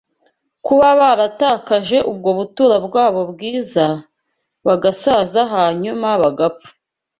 Kuba baratakaje ubwo buturo bwabo bwiza, bagasaza hanyuma bagapfa